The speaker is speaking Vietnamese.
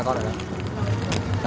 con cảm ơn chú